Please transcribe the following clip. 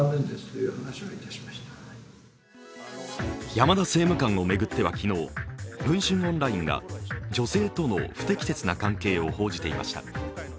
山田政務官を巡っては昨日、文春オンラインが女性との不適切な関係を報じていました。